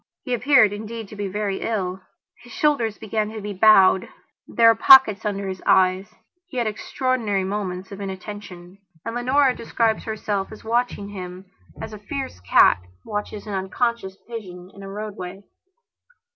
He appeared, indeed, to be very ill; his shoulders began to be bowed; there were pockets under his eyes; he had extraordinary moments of inattention. And Leonora describes herself as watching him as a fierce cat watches an unconscious pigeon in a roadway.